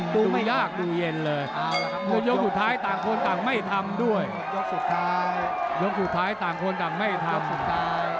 ดูยากดูเย็นเลยยกสุดท้ายต่างคนต่างไม่ทำด้วยยกสุดท้ายต่างคนต่างไม่ทำ